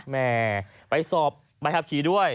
แม่ไปสอบใบขับขี่ด้วย